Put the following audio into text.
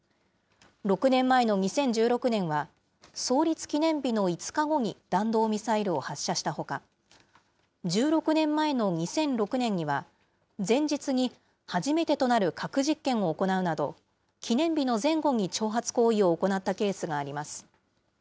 ６年前の２０１６年は、創立記念日の５日後に弾道ミサイルを発射したほか、１６年前の２００６年には、前日に、初めてとなる核実験を行うなど、記念日の前後に挑発行為を行ったケースがあります。